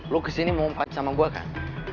lo kesini mau fight sama gue kan